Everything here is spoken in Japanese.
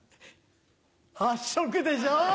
８色でしょ！